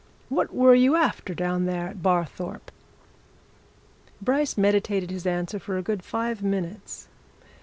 What were you after, down there at Barthorpe?" Bryce meditated his answer for a good five minutes.